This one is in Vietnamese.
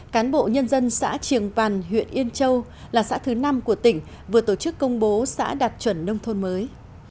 cán bộ nhân dân xã triềng bàn huyện yên châu là xã thứ năm của tỉnh vừa tổ chức công bố xã đạt chuẩn nông thôn mới